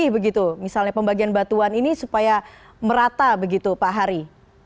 atau saling tumpang tindih misalnya pembagian batuan ini supaya merata begitu pak hari